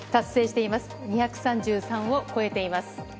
２３３を超えています。